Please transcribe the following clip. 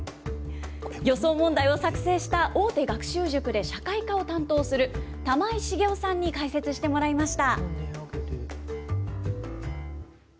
予想問題を作成した大手学習塾で社会科を担当する玉井滋雄さんに解説していただきました。